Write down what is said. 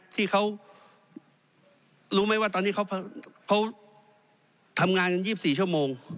ที่เขารู้ไหมว่าตอนนี้เขาทำงานกัน๒๔ชั่วโมง